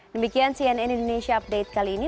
demikian cnn indonesia update kali ini